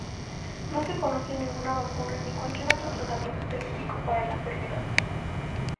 No se conoce ninguna vacuna ni cualquier otro tratamiento específico para la enfermedad.